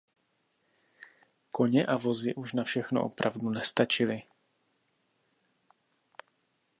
Koně a vozy už na všechno opravdu nestačily.